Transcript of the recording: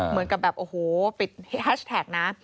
เหมือนกับแบบโอ้โหปิดแฮชแท็กนะ